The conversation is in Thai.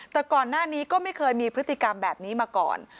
แต่ก่อนหน้านี้ก็ไม่เคยมีพฤติกรรมแบบนี้มาก่อน